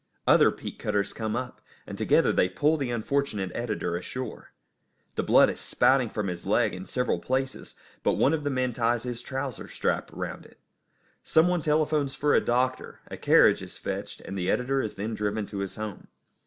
Other peat cutters come up, and together they pull the unfortunate editor ashore. The blood is spouting from his leg in several places, but one of the men ties his trouser strap round it. Some one telephones for a doctor, a carriage is fetched, and the editor is then driven to his home.